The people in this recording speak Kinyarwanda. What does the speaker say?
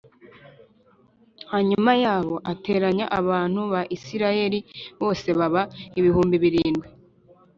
hanyuma yabo ateranya abantu ba Isirayeli bose baba ibihumbi birindwi